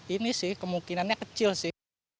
ini sih kemungkinannya kecil sih